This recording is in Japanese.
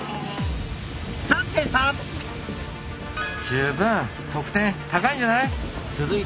十分得点高いんじゃない？